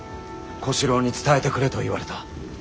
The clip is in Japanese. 小四郎に伝えてくれと言われた。